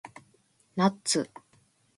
ナッツ